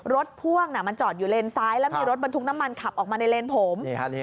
พ่วงมันจอดอยู่เลนซ้ายแล้วมีรถบรรทุกน้ำมันขับออกมาในเลนผม